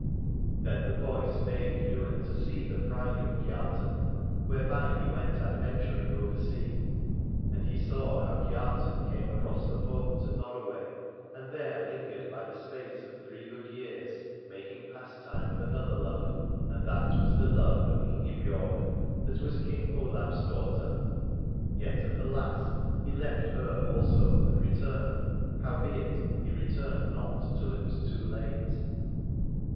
Then the voice bade Ywain see the pride of Kiartan, whereby he went adventuring over sea. And he saw how Kiartan came across the foam to Norroway, and there lingered by the space of three good years, making pastime of another love. And that was the love of Ingibiorg, that was King Olaf s daughter : yet at the last he left her 275 Alad ore also and returned, howbeit he returned not till it was too late.